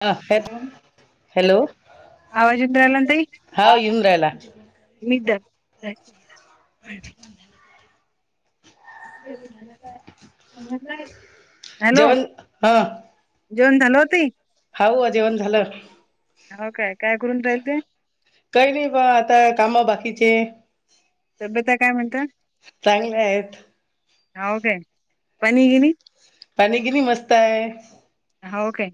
[unintelligible] Hello हो यउन रायला. जय. अ न [inaudible] जेवण हा हाऊ जेवण झालं. कराव काय काय करून राहील ते. काही नाही बा आता काम बाकीचे. चांगले आहेत. हो काय पनी गिली. हो काय.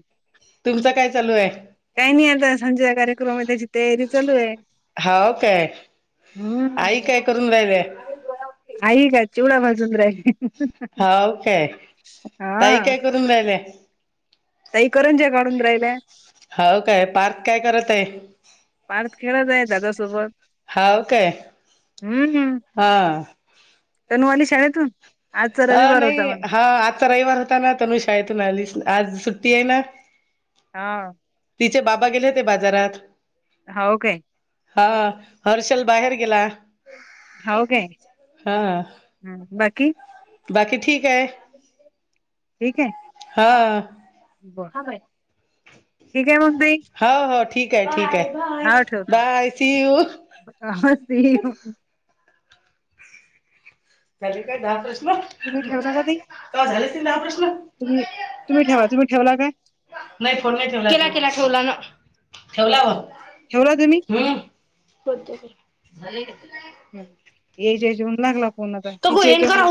तुमच काय चालू आहे. काही नाही आता सांच्याला कार्यक्रम आहे त्याची तयारी चालू आहे. काय आई काय करून राहिल्या. आई का चिवडा भाजूनून राहाली हा. तून जाले [unintelligible] होव काय पार्थ काय करत आहे. हाव काय. हा ना. हा नाही हा आता. आचा रविवार होता ना तनु शाळेतून आली आज सुट्टी आहे ना. हा. तिचे बाबा गेले होते बाजारात. हा हर्षल बाहेर गेला. हाव काय. हा बाकी ठीक आहे. ठीक आहे ब बाइ. [inaudible] हो हो ठीक आहे ठीक आहे बाय सीऊ. ह ते [unintelligible] तुम्ही ठेवता कधी तुम्ही. तुम् ठेवा तुम्हीेला काय. नाही फोन नाही ठेवला ठेवला बा ह. होतट ते. कोणाचा हाय.